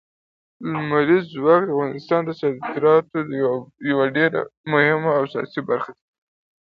لمریز ځواک د افغانستان د صادراتو یوه ډېره مهمه او اساسي برخه ده.